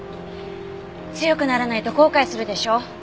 強くならないと後悔するでしょ。